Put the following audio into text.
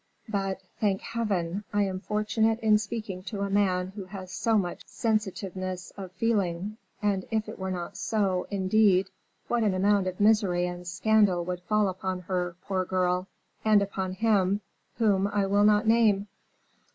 But, thank Heaven! I am fortunate in speaking to a man who has so much sensitiveness of feeling; and if it were not so, indeed, what an amount of misery and scandal would fall upon her, poor girl! and upon him whom I will not name."